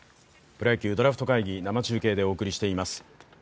プロ野球ドラフト会議、生中継でお送りしています。